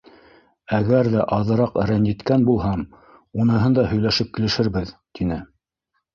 Әгәр ҙә аҙыраҡ рәнйеткән булһам, уныһын да һөйләшеп килешербеҙ, — тине.